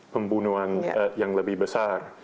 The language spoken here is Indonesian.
pembunuhan yang lebih besar